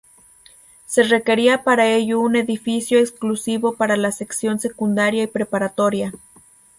Se requería para ello un edificio exclusivo para la Sección Secundaria y Preparatoria.